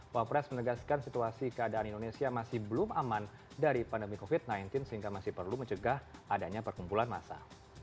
wapres menegaskan situasi keadaan indonesia masih belum aman dari pandemi covid sembilan belas sehingga masih perlu mencegah adanya perkumpulan massa